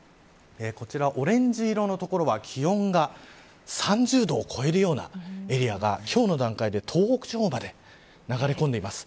こちら、オレンジ色の所は気温が３０度を超えるようなエリアが今日の段階で東北地方まで流れ込んでいます。